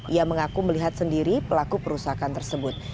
ia mengaku melihat sendiri pelaku perusakan tersebut